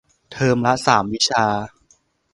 เทอมละสามวิชา